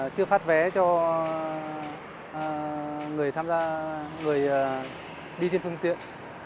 chưa phát vé cho người đi trên phương tiện